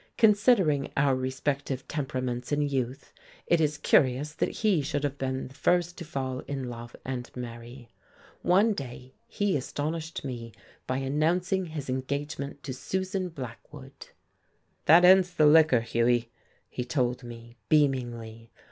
Considering our respective temperaments in youth, it is curious that he should have been the first to fall in love and marry. One day he astonished me by announcing his engagement to Susan Blackwood. "That ends the liquor, Hughie," he told me, beamingly.